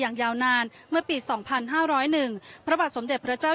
ยาวนานเมื่อปี๒๕๐๑พระบาทสมเด็จพระเจ้า